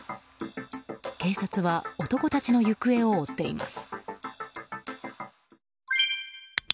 警察は男たちの行方を追っています。